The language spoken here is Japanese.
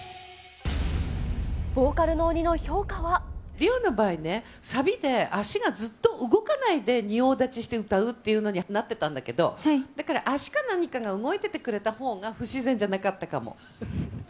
リオの場合ね、サビで足がずっと動かないで仁王立ちして歌うっていうのになってたんだけど、だから、足か何かが動いててくれたほうが、不自然じゃなかったかも。